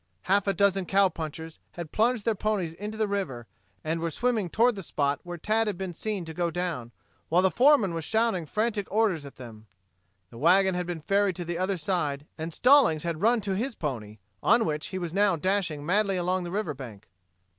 Half a dozen cowpunchers had plunged their ponies into the river, and were swimming toward the spot where Tad had been seen to go down, while the foreman was shouting frantic orders at them. The wagon had been ferried to the other side, and Stallings had run to his pony, on which he was now dashing madly along the river bank.